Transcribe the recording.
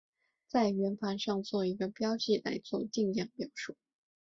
在圆盘上做一个标记来做定量描述。